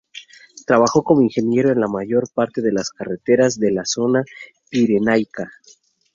Trabajó como ingeniero en la mayor parte de las carreteras de la zona pirenaica.